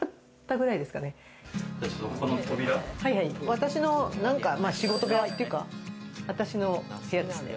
私の仕事部屋というか、私の部屋ですね。